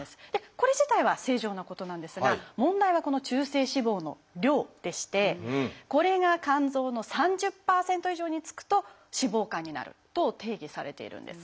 これ自体は正常なことなんですが問題はこの中性脂肪の量でしてこれが肝臓の３０％以上につくと脂肪肝になると定義されているんです。